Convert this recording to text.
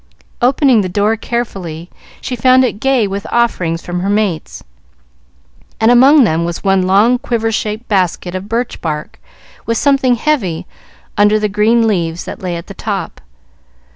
Opening the door carefully, she found it gay with offerings from her mates; and among them was one long quiver shaped basket of birch bark, with something heavy under the green leaves that lay at the top.